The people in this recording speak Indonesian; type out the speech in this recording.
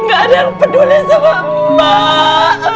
enggak ada yang peduli sama emak